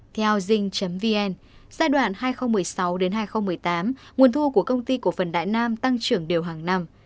theo zing vn giai đoạn hai nghìn một mươi sáu hai nghìn một mươi tám nguồn thu của công ty của phần đại nam tăng trưởng đều hàng năm